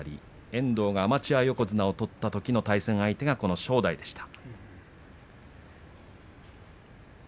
遠藤、アマチュア横綱を取ったときの対戦相手が正代でした。